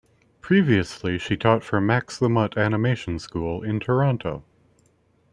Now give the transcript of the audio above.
Previously she taught for Max the Mutt Animation School in Toronto.